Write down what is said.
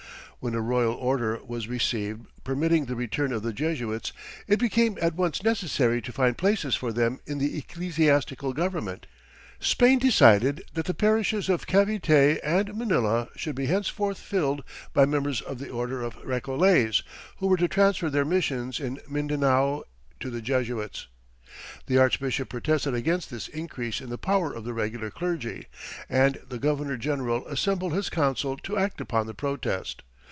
When a royal order was received permitting the return of the Jesuits it became at once necessary to find places for them in the ecclesiastical government. Spain decided that the parishes of Cavite and Manila should be henceforth filled by members of the order of Recollets, who were to transfer their missions in Mindanao to the Jesuits. The Archbishop protested against this increase in the power of the regular clergy, and the Governor General assembled his council to act upon the protest.